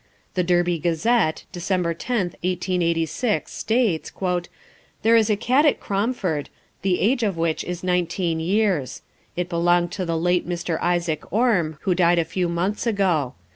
The Derby Gazette, December 10th, 1886, states: "There is a cat at Cromford, the age of which is nineteen years. It belonged to the late Mr. Isaac Orme, who died a few months ago.